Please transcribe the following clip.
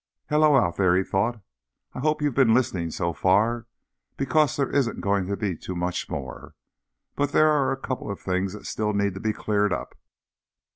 Hello, out there, he thought. _I hope you've been listening so far, because there isn't going to be too much more. But there are a couple of things that still need to be cleared up.